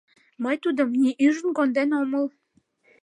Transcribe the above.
— Мый тудым ни ӱжын конден омыл.